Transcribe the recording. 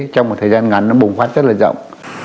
trong một thời gian ngắn nó bùng phát rất là rộng